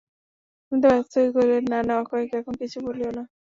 অন্নদা ব্যস্ত হইয়া কহিলেন, না না, অক্ষয়কে এখন কিছু বলিয়ো না।